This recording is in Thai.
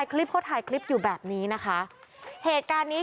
เข้าถ่ายกริปอยู่แบบนี้พี่